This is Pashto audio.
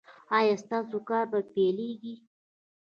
ایا ستاسو کار به پیلیږي؟